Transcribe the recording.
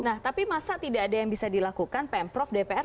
nah tapi masa tidak ada yang bisa dilakukan pemprov dpr